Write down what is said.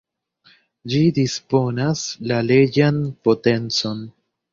Ĝi disponas la leĝan potencon.